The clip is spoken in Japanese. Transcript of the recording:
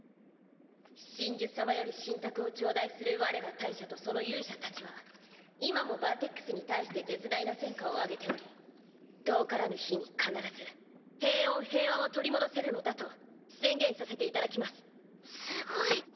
神樹様より神託をちょうだいする我ら大社とその勇者たちは今もバーテックスに対して絶大な戦果を上げており遠からぬ日に必ず平穏平和を取り戻せるのだと宣言させていただきます。